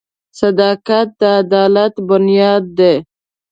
• صداقت د عدالت بنیاد دی.